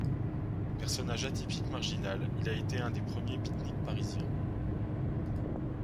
Personnage atypique, marginal, il a été un des premiers beatniks parisiens.